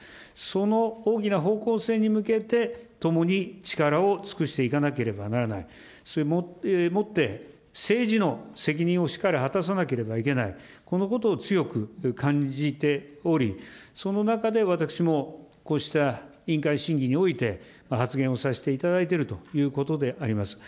その大きな方向性に向けて共に力を尽くしていかなければならない、政治の責任をしっかり果たさなければいけない、このことを強く感じており、その中で私もこうした委員会審議において、発言をさせていただいてるということであります。